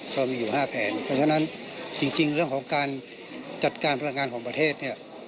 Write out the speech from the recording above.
เพราะฉะนั้นจริงเรื่องของการจัดการพลังงานของประเทศเนี่ย